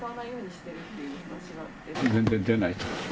全然出ない。